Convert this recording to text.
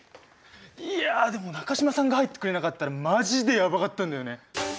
いやあでも中島さんが入ってくれなかったらマジでやばかったんだよね。